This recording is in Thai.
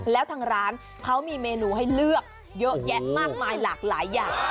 แล้วทางร้านเขามีเมนูให้เลือกเยอะแยะมากมายหลากหลายอย่าง